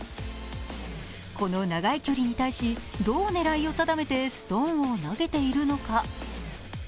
この長い距離に対しどう狙いを定めてストーンを投げているのか。